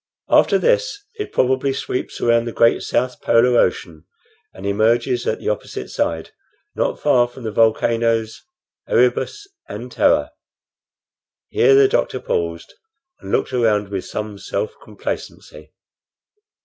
After this it probably sweeps around the great South Polar ocean, and emerges at the opposite side, not far from the volcanoes Erebus and Terror." Here the doctor paused, and looked around with some self complacency.